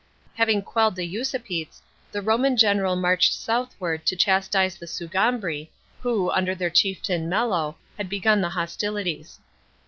Having quelled the Usipetes, the Roman general marched southward to chastise the Sugambri, who, under their chieftain Melo, had begun the hostilities.